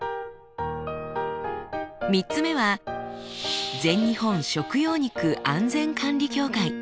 ３つ目は「全日本食用肉安全管理協会」。